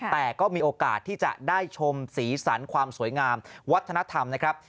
แต่ก็มีโอกาสที่จะได้ชมสีสันความสวยงามวัฒนธรรมนะครับ